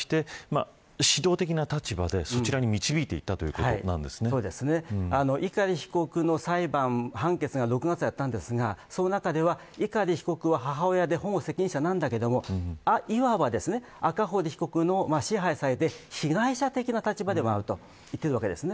支配して、主導的な立場でそちらに導いていった碇被告の裁判、判決が６月、あったんですがその中では、碇被告が母親で保護責任者なんだけれどもいわば赤堀被告に支配された被害者的な立場でもあると言っているわけなんです。